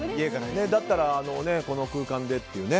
だったら、この空間でっていう。